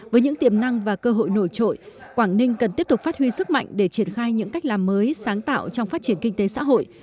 với những tiềm năng và cơ hội nổi trội quảng ninh cần tiếp tục phát huy sức mạnh để triển khai những cách làm mới sáng tạo trong phát triển kinh tế xã hội